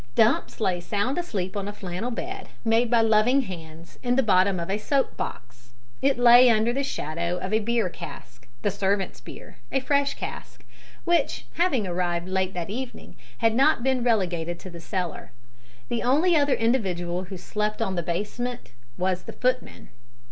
Dumps lay sound asleep on a flannel bed, made by loving hands, in the bottom of a soap box. It lay under the shadow of a beer cask the servants' beer a fresh cask which, having arrived late that evening, had not been relegated to the cellar. The only other individual who slept on the basement was the footman.